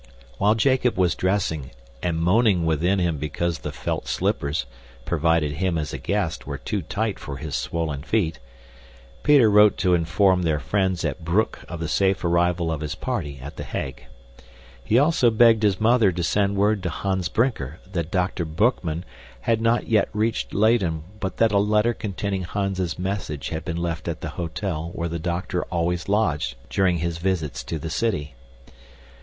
While Jacob was dressing and moaning within him because the felt slippers, provided him as a guest, were too tight for his swollen feet, Peter wrote to inform their friends at Broek of the safe arrival of his party at The Hague. He also begged his mother to send word to Hans Brinker that Dr. Boekman had not yet reached Leyden but that a letter containing Hans's message had been left at the hotel where the doctor always lodged during his visits to the city.